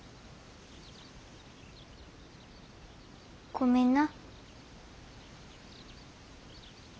ごめんな。